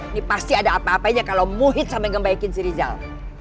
ini pasti ada apa apanya kalo muhyidd sampe ngebaikin si rizal